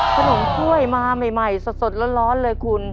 ขนมถ้วยมาใหม่สดร้อนเลยคุณ